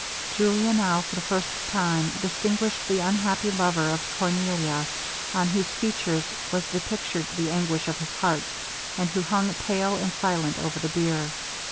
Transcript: Julia now for the first time distinguished the unhappy lover of Cornelia, on whose features was depictured the anguish of his heart, and who hung pale and silent over the bier.